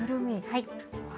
はい。